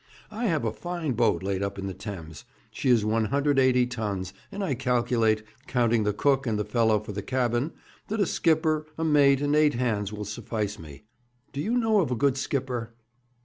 I have a fine boat laid up in the Thames. She is 180 tons, and I calculate, counting the cook and the fellow for the cabin, that a skipper, a mate, and eight hands will suffice me. Do you know of a good skipper?'